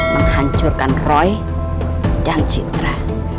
menghancurkan roy dan citra